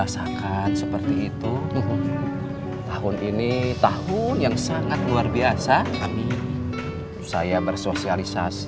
semoga dua harian